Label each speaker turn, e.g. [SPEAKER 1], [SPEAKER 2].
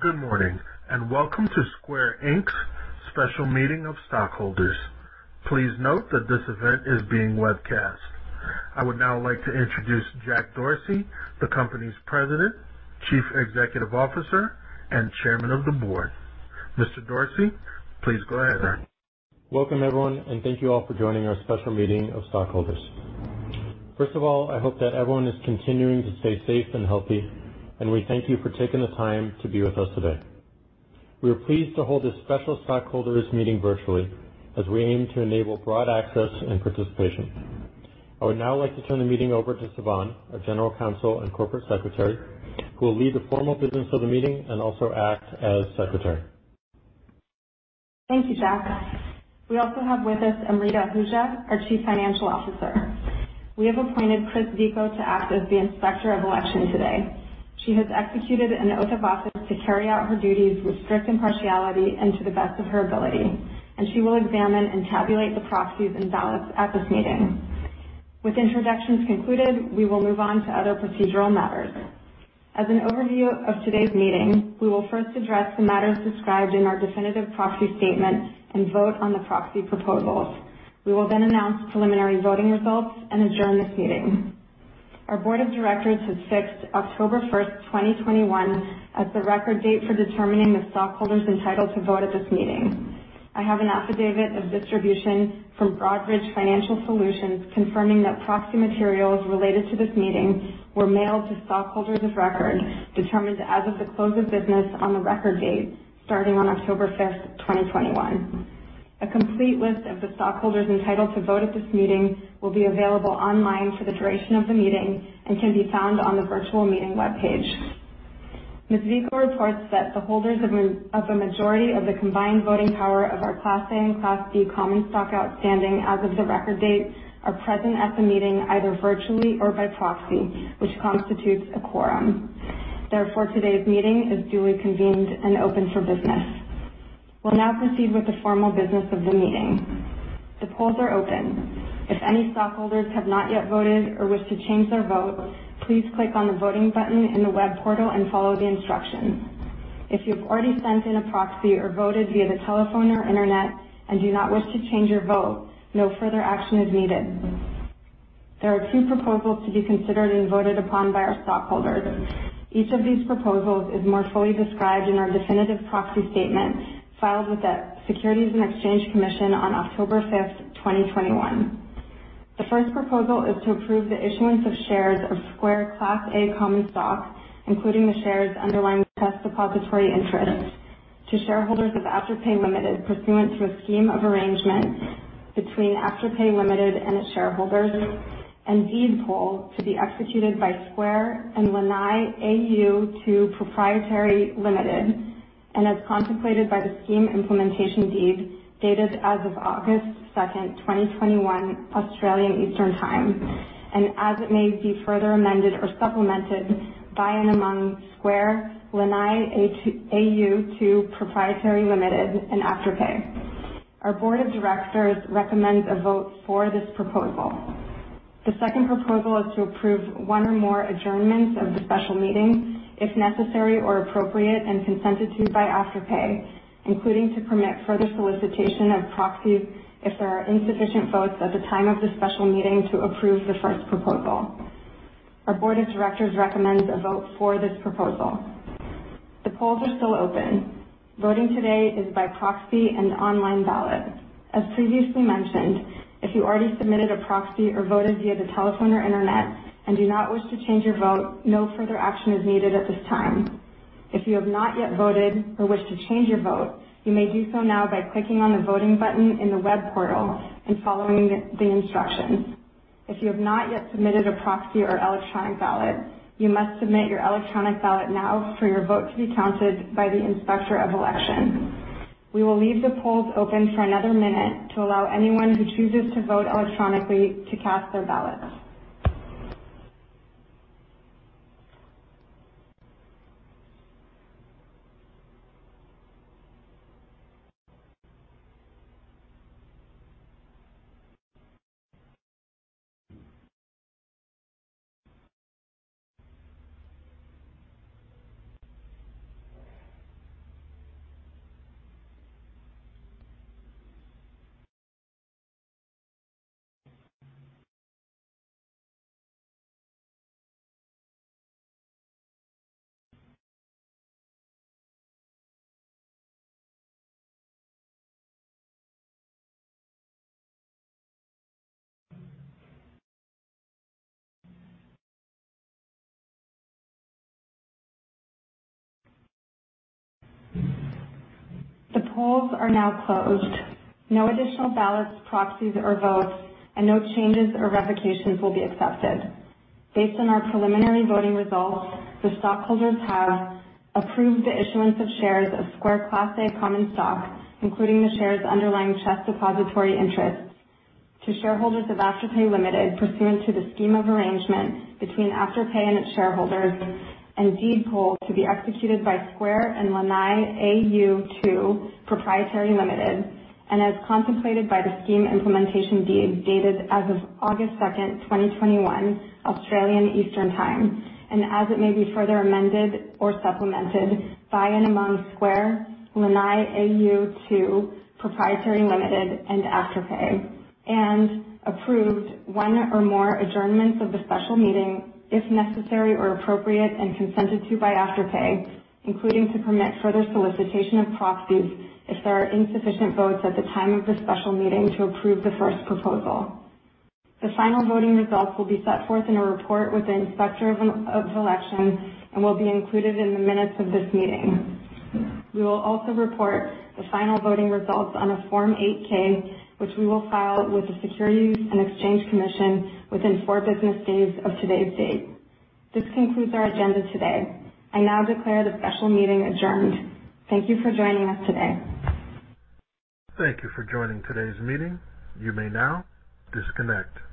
[SPEAKER 1] Good morning, and Welcome to Square, Inc.'s special meeting of stockholders. Please note that this event is being webcast. I would now like to introduce Jack Dorsey, the company's President, Chief Executive Officer, and Chairman of the Board. Mr. Dorsey, please go ahead.
[SPEAKER 2] Welcome, everyone, and thank you all for joining our special meeting of stockholders. First of all, I hope that everyone is continuing to stay safe and healthy, and we thank you for taking the time to be with us today. We are pleased to hold this special stockholders meeting virtually as we aim to enable broad access and participation. I would now like to turn the meeting over to Sivan, our General Counsel and Corporate Secretary, who will lead the formal business of the meeting and also act as secretary.
[SPEAKER 3] Thank you, Jack. We also have with us Amrita Ahuja, our Chief Financial Officer. We have appointed Chris Vikor to act as the Inspector of Election today. She has executed an oath of office to carry out her duties with strict impartiality and to the best of her ability, and she will examine and tabulate the proxies and ballots at this meeting. With introductions concluded, we will move on to other procedural matters. As an overview of today's meeting, we will first address the matters described in our definitive proxy statement and vote on the proxy proposals. We will then announce preliminary voting results and adjourn this meeting. Our board of directors has fixed October 1st, 2021 as the record date for determining the stockholders entitled to vote at this meeting. I have an affidavit of distribution from Broadridge Financial Solutions confirming that proxy materials related to this meeting were mailed to stockholders of record, determined as of the close of business on the record date starting on October 5th, 2021. A complete list of the stockholders entitled to vote at this meeting will be available online for the duration of the meeting and can be found on the virtual meeting webpage. Ms. Vikor reports that the holders of a majority of the combined voting power of our Class A and Class B common stock outstanding as of the record date are present at the meeting either virtually or by proxy, which constitutes a quorum. Therefore, today's meeting is duly convened and open for business. We'll now proceed with the formal business of the meeting. The polls are open. If any stockholders have not yet voted or wish to change their vote, please click on the voting button in the web portal and follow the instructions. If you've already sent in a proxy or voted via the telephone or internet and do not wish to change your vote, no further action is needed. There are two proposals to be considered and voted upon by our stockholders. Each of these proposals is more fully described in our definitive proxy statement filed with the Securities and Exchange Commission on October 5th, 2021. The first proposal is to approve the issuance of shares of Square Class A common stock, including the shares' underlying CHESS Depository Interest to shareholders of Afterpay Limited pursuant to a scheme of arrangement between Afterpay Limited and its shareholders and deed poll to be executed by Square and Lanai AU Two Proprietary Limited and as contemplated by the scheme implementation deed dated as of August 2, 2021, Australian Eastern Time, and as it may be further amended or supplemented by and among Square, Lanai AU Two Proprietary Limited, and Afterpay. Our board of directors recommends a vote for this proposal. The second proposal is to approve one or more adjournments of the special meeting if necessary or appropriate and consented to by Afterpay, including to permit further solicitation of proxies if there are insufficient votes at the time of the special meeting to approve the first proposal. Our board of directors recommends a vote for this proposal. The polls are still open. Voting today is by proxy and online ballot. As previously mentioned, if you already submitted a proxy or voted via the telephone or internet and do not wish to change your vote, no further action is needed at this time. If you have not yet voted or wish to change your vote, you may do so now by clicking on the voting button in the web portal and following the instructions. If you have not yet submitted a proxy or electronic ballot, you must submit your electronic ballot now for your vote to be counted by the Inspector of Election. We will leave the polls open for another minute to allow anyone who chooses to vote electronically to cast their ballots. The polls are now closed. No additional ballots, proxies or votes and no changes or revocations will be accepted. Based on our preliminary voting results, the stockholders have approved the issuance of shares of Square Class A common stock, including the shares' underlying CHESS Depository Interest to shareholders of Afterpay Limited pursuant to the scheme of arrangement between Afterpay and its shareholders and deed poll to be executed by Square and Lanai AU Two Proprietary Limited and as contemplated by the scheme implementation deed dated as of August 2nd, 2021, Australian Eastern Time, and as it may be further amended or supplemented by and among Square, Lanai AU Two Proprietary Limited, and Afterpay. Approved one or more adjournments of the special meeting if necessary or appropriate, and consented to by Afterpay, including to permit further solicitation of proxies if there are insufficient votes at the time of the special meeting to approve the first proposal. The final voting results will be set forth in a report with the Inspector of Election and will be included in the minutes of this meeting. We will also report the final voting results on a Form 8-K, which we will file with the Securities and Exchange Commission within four business days of today's date. This concludes our agenda today. I now declare the special meeting adjourned. Thank you for joining us today.
[SPEAKER 1] Thank you for joining today's meeting. You may now disconnect.